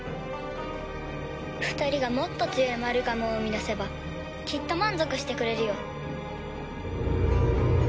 ２人がもっと強いマルガムを生み出せばきっと満足してくれるよ。